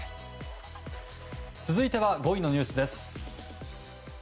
続いては５位のニュースです。